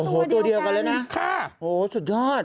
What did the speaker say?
โอ้โหตัวเดียวกันตัวเดียวกันเลยนะค่ะโหสุดยอด